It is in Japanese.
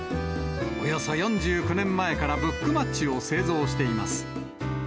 およそ４９年前からブックマッチを製造しています。